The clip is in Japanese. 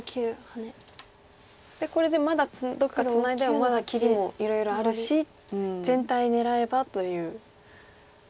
でこれでまだどっかツナいでもまだ切りもいろいろあるし全体狙えばという。